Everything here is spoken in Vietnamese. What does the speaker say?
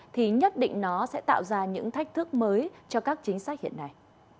thì nhất định nó sẽ tạo ra những thách thức mới cho các chính sách hiện nay